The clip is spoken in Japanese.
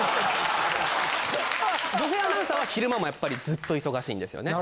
女性アナウンサーは昼間もやっぱりずっと忙しいんですよね。